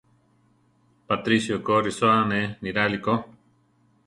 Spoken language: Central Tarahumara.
Patricio ko risóa ané niráli ko.